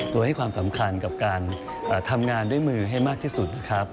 โดยให้ความสำคัญกับการทำงานด้วยมือให้มากที่สุดนะครับ